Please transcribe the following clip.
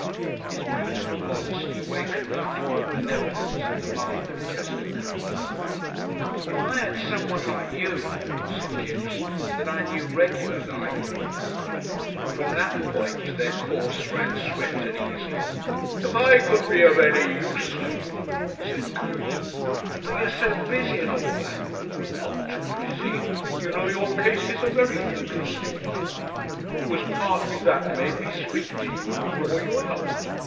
His beautiful modesty awakened nothing but benevolence in the mind of Chester Coote. "If I had someone like you," said Kipps, "that I knew regular like " From that point their course ran swift and easy. "If I could be of any use to you," said Coote.... "But you're so busy and all that." "Not too busy. You know, your case is a very interesting one. It was partly that made me speak to you and draw you out.